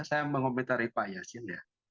saya mau komentari pak yasin